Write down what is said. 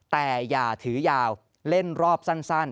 แต่อย่าถือยาวเล่นรอบสั้น